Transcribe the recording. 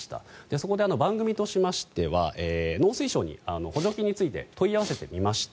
そこで番組としましては農水省に補助金について問い合わせてみました。